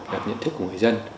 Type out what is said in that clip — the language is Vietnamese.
gặp nhận thức của người dân